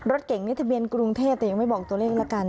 รถเก่งนี่ทะเบียนกรุงเทพแต่ยังไม่บอกตัวเลขละกัน